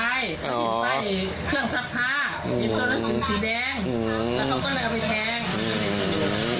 อีกตัวสีแดงแล้วเขาก็เลยเอาไปแท้ง